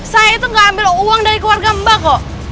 saya itu gak ambil uang dari keluarga mbak kok